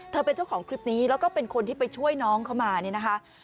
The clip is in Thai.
เป็นเจ้าของคลิปนี้แล้วก็เป็นคนที่ไปช่วยน้องเขามาเนี่ยนะคะ